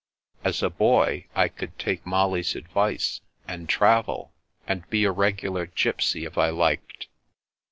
As a boy, I could take Molly's advice, and travel, and be a regular gipsy if I liked.